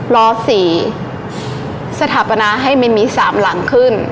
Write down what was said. ล้อ๔สถาปนาให้มี๓หลังขึ้น